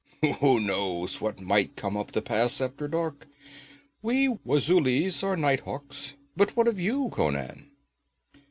'Who knows what might come up the Pass after dark? We Wazulis are night hawks. But what of you, Conan?'